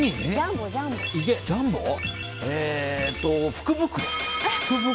福袋！